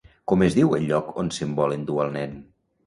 Com es diu el lloc on se'n vol endur al nen?